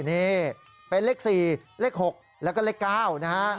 นี่เป็นเลข๔เลข๖แล้วก็เลข๙นะฮะ